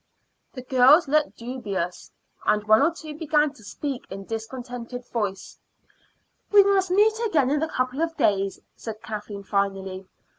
The girls looked dubious, and one or two began to speak in discontented voices. "We must meet again in a couple of days," said Kathleen finally.